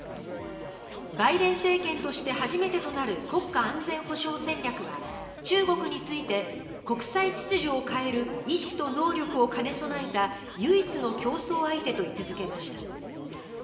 バイデン政権として初めてとなる国家安全保障戦略は中国について、国際秩序を変える意思と能力を兼ね備えた唯一の競争相手と位置付けました。